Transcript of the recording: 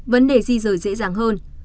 vấn đề di rời dễ dàng hơn